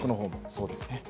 そうですね。